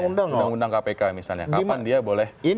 undang undang kpk misalnya kapan dia boleh